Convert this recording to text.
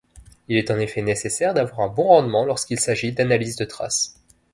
Il est en effet nécessaire d’avoir un bon rendement lorsqu’il s’agit d’analyse de traces.